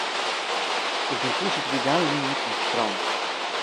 איך בין פּשוט געגאַנגען מיט'ן שטראָם